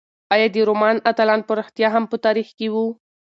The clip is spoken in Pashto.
ایا د رومان اتلان په رښتیا هم په تاریخ کې وو؟